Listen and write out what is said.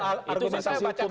kalau kalau kalau